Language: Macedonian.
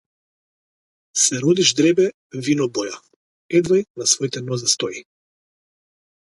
Се роди ждребе вино-боја, одвај на своите нозе стои.